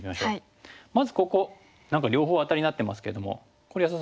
まずここ何か両方アタリになってますけどもこれ安田さん